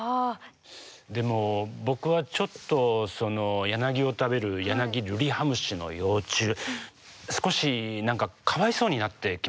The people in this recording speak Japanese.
でも僕はちょっとヤナギを食べるヤナギルリハムシの幼虫少し何かかわいそうになってきましたね。